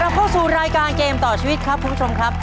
เข้าสู่รายการเกมต่อชีวิตครับคุณผู้ชมครับ